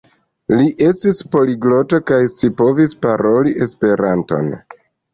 Li estis poligloto kaj scipovis paroli Esperanton.